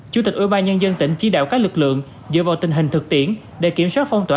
chủ tịch ủy ban nhân dân tỉnh chỉ đạo các lực lượng dựa vào tình hình thực tiễn để kiểm soát phong tỏa